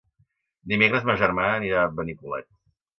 Dimecres ma germana anirà a Benicolet.